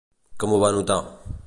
Com ho va notar?